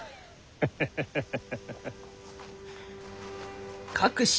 ハハハハハッ！